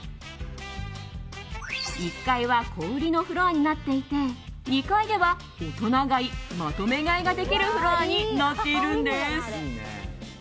１階は小売りのフロアになっていて２階では大人買い、まとめ買いができるフロアになっているんです。